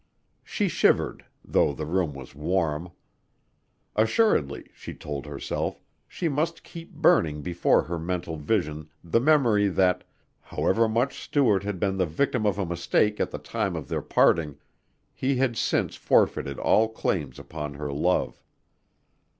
She shivered, though the room was warm. Assuredly, she told herself, she must keep burning before her mental vision the memory that, however much Stuart had been the victim of a mistake at the time of their parting, he had since forfeited all claims upon her love.